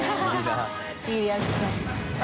いいリアクション。